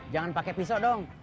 jangan pake pisau dong